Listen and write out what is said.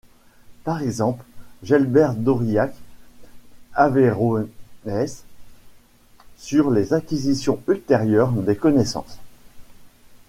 Par exemple, Gerbert d'Aurillac, Averroès, sur les acquisitions ultérieures des connaissances.